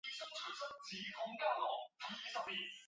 玛氏还是一个家庭企业。